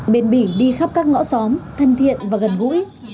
bền bỉ đi khắp các ngõ xóm thân thiện và gần gũi